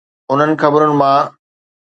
انهن خبرن مان؟